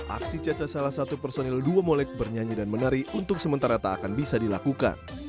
aksi caca salah satu personil duo molek bernyanyi dan menari untuk sementara tak akan bisa dilakukan